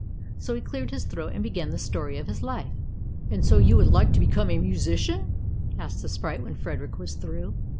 So he cleared his throat, and began the story of his life. "And so you would like to become a musician?" asked the sprite, when Fred erick was through.